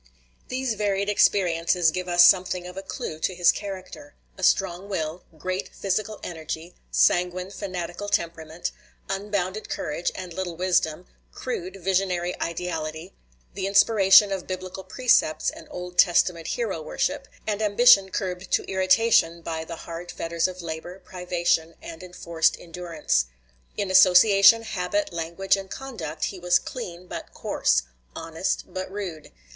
These varied experiences give us something of a clue to his character: a strong will; great physical energy; sanguine, fanatical temperament; unbounded courage and little wisdom; crude, visionary ideality; the inspiration of biblical precepts and Old Testament hero worship; and ambition curbed to irritation by the hard fetters of labor, privation, and enforced endurance. In association, habit, language, and conduct, he was clean, but coarse; honest, but rude.